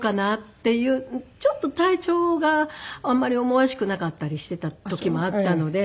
ちょっと体調があんまり思わしくなかったりしていた時もあったので。